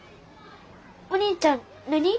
お兄ちゃん何？